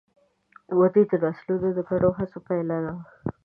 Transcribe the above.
ودې د نسلونو د ګډو هڅو پایله ده.